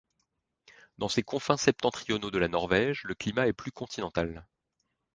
Dans ces confins septentrionaux de la Norvège, le climat est plus continental.